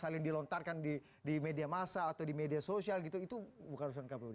ada di media massa atau di media sosial gitu itu bukan urusan kpu